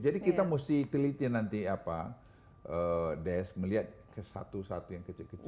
jadi kita mesti telitin nanti apa desk melihat satu satu yang kecil kecil